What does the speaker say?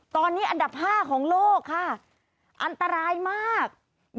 ตอนนี้อันดับ๕ของโลกค่ะอันตรายมาก